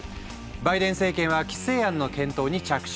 バイデン政権は規制案の検討に着手。